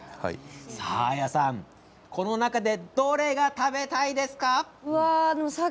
サーヤさん、この中でどれが食べたいですか。